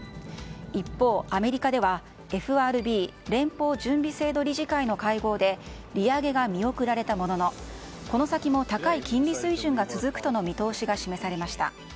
一方、アメリカではＦＲＢ・連邦準備制度理事会の会合で利上げが見送られたもののこの先も高い金利水準が続くとの見通しが示されました。